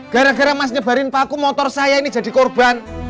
gara gara mas nyebarin paku motor saya ini jadi korban